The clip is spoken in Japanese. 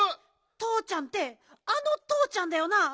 とうちゃんってあのとうちゃんだよな？